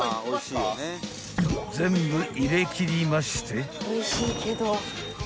［全部入れきりまして］